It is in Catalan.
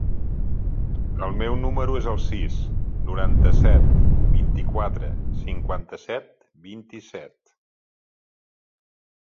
El meu número es el sis, noranta-set, vint-i-quatre, cinquanta-set, vint-i-set.